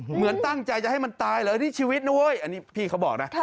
เหมือนตั้งใจจะให้มันตายเหรอนี่ชีวิตนะเว้ยอันนี้พี่เขาบอกนะ